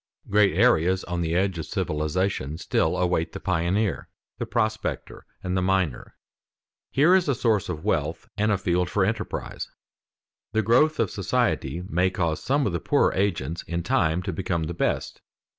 Great areas on the edge of civilization still await the pioneer, the prospector, and the miner. Here is a source of wealth and a field for enterprise. The growth of society may cause some of the poorer agents in time to become the best.